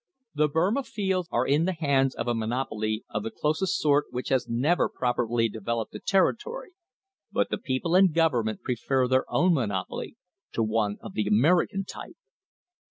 The Burma fields are in the hands of a monopoly of the closest sort which has never properly developed the territory, but the people and government prefer their own monopoly to one of the American type!